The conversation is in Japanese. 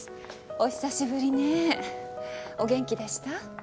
お久しぶりねお元気でした？